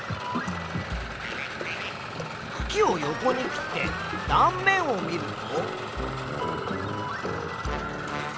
くきを横に切って断面を見ると。